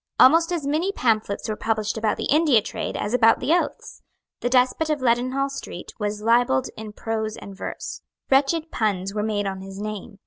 Almost as many pamphlets were published about the India trade as about the oaths. The despot of Leadenhall Street was libelled in prose and verse. Wretched puns were made on his name.